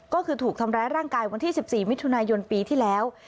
ก็คือถูกทำร้ายร่างกายวันที่๑๔มิถุนายนปีที่แล้ว